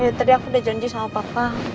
ya tadi aku udah janji sama papa